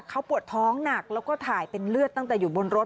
เขาปวดท้องหนักแล้วก็ถ่ายเป็นเลือดตั้งแต่อยู่บนรถ